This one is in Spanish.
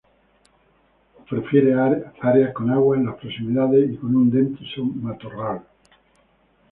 Prefiere áreas con agua en las proximidades y con un denso matorral.